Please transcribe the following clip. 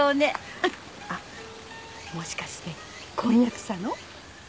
あっもしかして婚約者の？